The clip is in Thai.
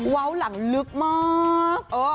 เว้าหลังลึกมาก